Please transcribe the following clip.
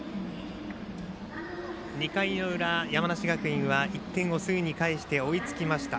２回の裏、山梨学院は１点をすぐに返して追いつきました。